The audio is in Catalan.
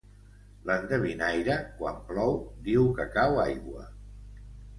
L'endevinaire, quan plou, diu que cau aigua.